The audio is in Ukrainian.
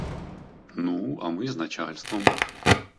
Ну, а ми за начальством.